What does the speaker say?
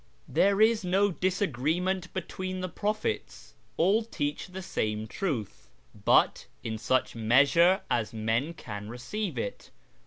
There is no disagreement between the prophets : all teach the same truth, but in such measure as men can receive it.